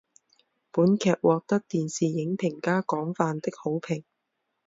本剧获得电视影评家广泛的好评。